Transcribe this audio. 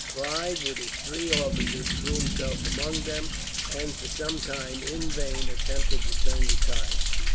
Clive, with his three officers, threw himself among them and, for some time, in vain attempted to turn the tide.